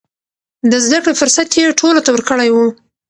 د زده کړې فرصت يې ټولو ته ورکړی و.